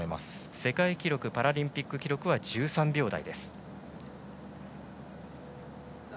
世界記録パラリンピック記録は１３秒台。